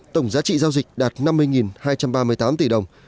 tổng giá trị giao dịch đạt năm mươi hai trăm ba mươi tám tỷ đồng